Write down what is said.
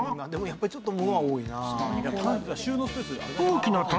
「でもやっぱりちょっとものは多いな」